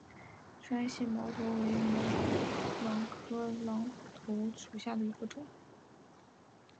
嘈杂的现场淹没了呼救声。